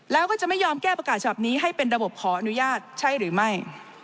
แล้วก็จะไม่ยอมแก้ประกาศฉบับนี้ให้เป็นระบบขออนุญาตใช่หรือไม่